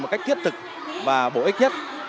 một cách thiết thực và bổ ích nhất